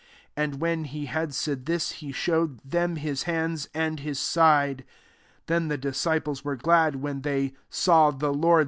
20 And when he had said this, he show ed them hi9 hands and his side. Then the disciples were glad, when they saw the Lprd.